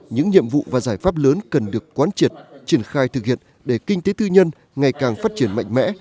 những nhiệm vụ và giải pháp lớn cần được quán triệt triển khai thực hiện để kinh tế tư nhân ngày càng phát triển mạnh mẽ